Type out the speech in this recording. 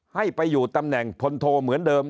ให้ไปอยู่ตำแหน่งพลโทเหมือนเดิม